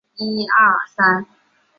后授官南京吏部验封司主事。